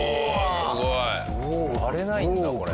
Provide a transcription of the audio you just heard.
すごい！割れないんだこれ。